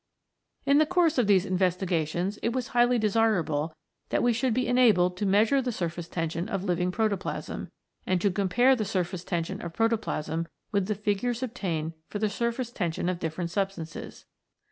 In the course of these investigations it was highly desirable that we should be enabled to measure the surface tension of living protoplasm, and to compare the surface tension of protoplasm with the figures obtained for the surface tension of different substances.